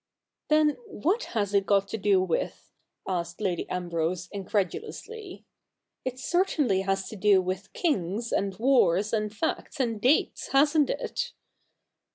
' Then what has it got to do with ?' asked Lady Ambrose incredulously. ' It certainly has to do with kings, and wars, and facts, and dates, hasn't it